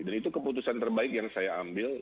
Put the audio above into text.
dan itu keputusan terbaik yang saya ambil